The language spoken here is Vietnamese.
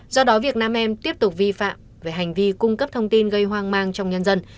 do đó việc nam em tiếp tục vi phạm về hành vi cung cấp thông tin gây hoang mang trong nhân dân